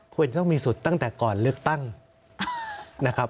ควรจะต้องมีสุดตั้งแต่ก่อนเลือกตั้งนะครับ